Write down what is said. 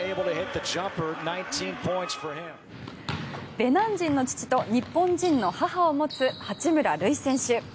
ベナン人の父と日本人の母を持つ八村塁選手。